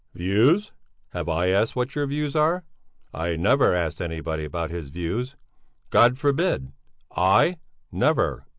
"Views? Have I asked what your views are? I never ask anybody about his views. God forbid! I? Never!"